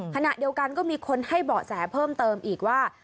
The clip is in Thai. ขณะเดียวกันก็มีคนให้เบาะแสเพิ่มเติมอีกว่า